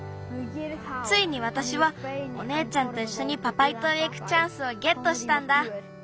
ついにわたしはおねえちゃんといっしょにパパイとうへいくチャンスをゲットしたんだ。